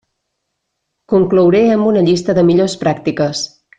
Conclouré amb una llista de millors pràctiques.